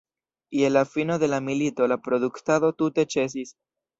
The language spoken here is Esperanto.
Je la fino de la milito la produktado tute ĉesis.